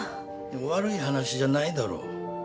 悪い話じゃないだろう。